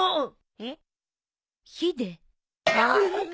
えっ